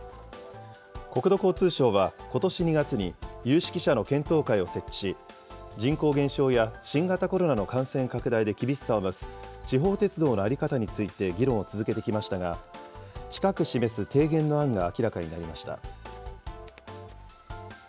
国土交通省はことし２月に有識者の検討会を設置し、人口減少や新型コロナの感染拡大で厳しさを増す地方鉄道の在り方について議論を続けてきましたが、近く示す提言の案が明らかになりました。